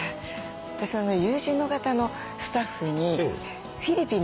私友人の方のスタッフにフィリピンの方がいらして。